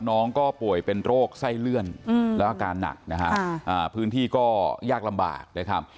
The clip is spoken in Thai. น้องก็ป่วยเป็นโรคไส้เลื่อนแล้วอาการหนักนะฮะพื้นที่ก็ยากลำบากนะครับ